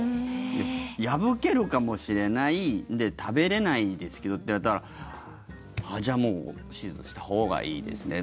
破けるかもしれない食べれないですけどと言われたらあ、じゃあもう手術したほうがいいですね。